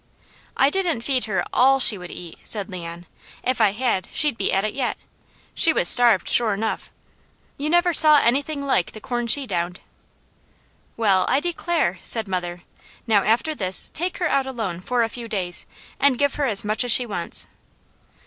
"I didn't feed her ALL she would eat!" said Leon. "If I had, she'd be at it yet. She was starved sure enough! You never saw anything like the corn she downed." "Well I declare!" said mother. "Now after this, take her out alone, for a few days, and give her as much as she wants."